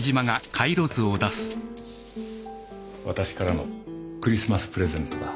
わたしからのクリスマスプレゼントだ。